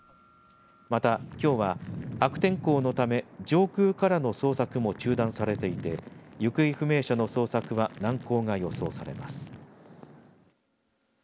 また、きょうは悪天候のため上空からの捜索も中断されていて行方不明者の捜索は難航が予想されます。